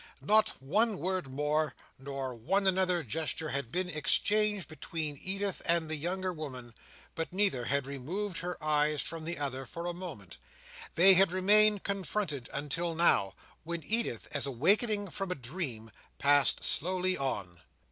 Not one word more, nor one other gesture, had been exchanged between Edith and the younger woman, but neither had removed her eyes from the other for a moment. They had remained confronted until now, when Edith, as awakening from a dream, passed slowly on.